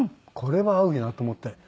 これは合うなと思って。